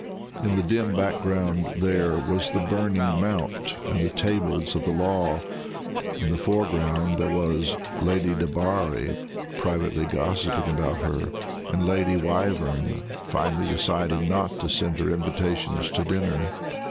In the dim background there was the burning mount and the tables of the law; in the foreground there was Lady Debarry privately gossipping about her, and Lady Wyvern finally deciding not to send her invitations to dinner.